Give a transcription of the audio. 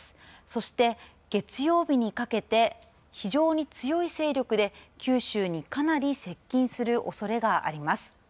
そして、月曜日にかけて非常に強い勢力で九州にかなり接近するおそれがあります。